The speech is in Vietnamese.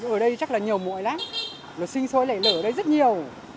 ở đây chắc là nhiều mụi lắm nó sinh sôi lại ở đây rất nhiều